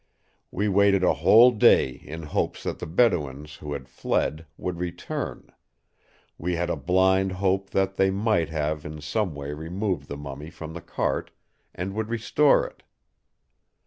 We waited a whole day in hopes that the Bedouins, who had fled, would return; we had a blind hope that they might have in some way removed the mummy from the cart, and would restore it.